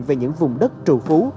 về những vùng đất trù phú